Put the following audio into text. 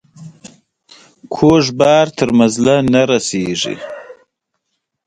د ځوانانو غیرت د جنګ ډګر ته ځواک ورکوي.